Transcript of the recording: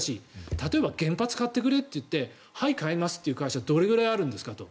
例えば原発を買ってくれと言ってはい、買いますという会社どれくらいあるんですかと。